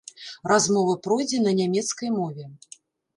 Размова пройдзе на нямецкай мове.